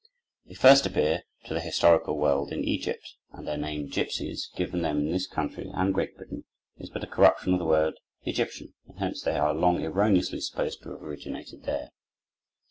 They first appear to the historical world in Egypt, and their name, "gipsies," given them in this country and Great Britain, is but a corruption of the word "Egyptian"; and hence they were long erroneously supposed to have originated there.